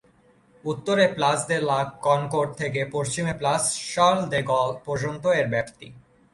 উত্তরে Place de la Concorde থেকে পশ্চিমে প্লাস শার্ল দ্য গল পর্যন্ত এর ব্যাপ্তি।